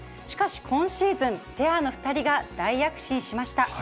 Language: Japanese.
しかし今シーズン、ペアの２人が大躍進しました。